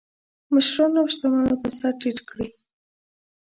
مشرانو او شتمنو ته سر ټیټ کړي.